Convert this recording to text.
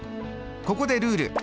ここでルール！